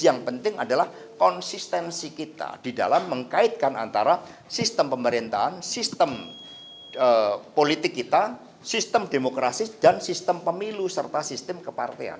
yang penting adalah konsistensi kita di dalam mengkaitkan antara sistem pemerintahan sistem politik kita sistem demokrasi dan sistem pemilu serta sistem kepartean